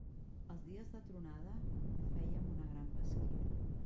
Els dies de tronada fèiem una gran pesquera.